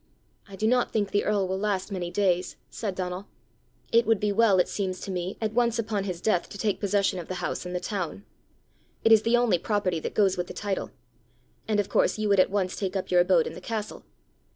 "I do not think the earl will last many days," said Donal. "It would be well, it seems to me, at once upon his death to take possession of the house in the town. It is the only property that goes with the title. And of course you would at once take up your abode in the castle!